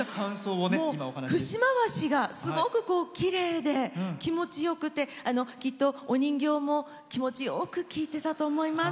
節回しが、すごくきれいで気持ちよくてきっとお人形も気持ちよく聴いてたと思います。